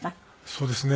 そうですね